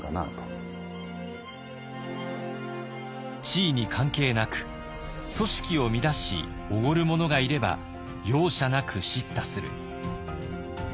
地位に関係なく組織を乱しおごる者がいれば容赦なく叱咤する。